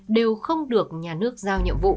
đều không được nhà nước giao nhiệm vụ